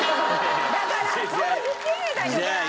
だからそう言ってるの最初から。